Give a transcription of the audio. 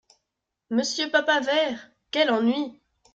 Monsieur Papavert ! quel ennui !